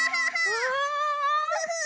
うわ！